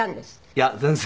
いや全然。